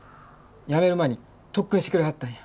辞める前に特訓してくれはったんや。